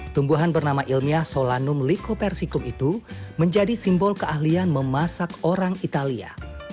tumbuhan bernama ilmiah solanum lykopersicum itu menjadi simbol keahlian memasak orang italia